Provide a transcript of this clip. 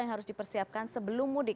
yang harus dipersiapkan sebelum mudik